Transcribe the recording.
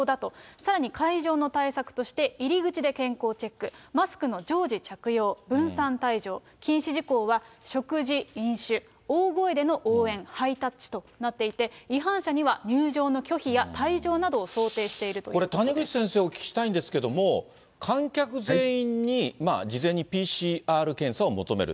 さらに会場の対策として、入り口で健康チェック、マスクの常時着用、分散退場、禁止事項は食事、飲酒、大声での応援、ハイタッチとなっていて、違反者には入場の拒否や退場などを想定しているとこれ、谷口先生、お聞きしたいんですけれども、観客全員に事前にＰＣＲ検査を求める。